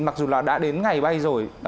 mặc dù là đã đến ngày bay rồi